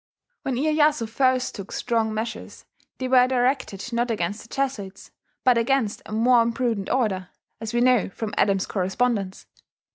... When Iyeyasu first took strong measures, they were directed, not against the Jesuits, but against a more imprudent order, as we know from Adams's correspondence.